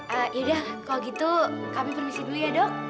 eh yaudah kalau gitu kami permisi dulu ya dok